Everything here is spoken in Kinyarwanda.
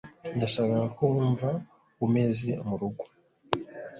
[Matama] Nashakaga ko wumva umeze murugo.